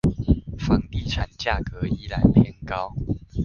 房地產價格依然偏高